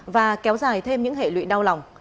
và kéo dài thêm những hệ lụy đau lòng